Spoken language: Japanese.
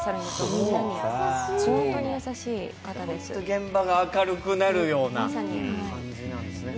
ホント、現場が明るくなるような感じなんですね。